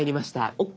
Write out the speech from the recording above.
「ＯＫ」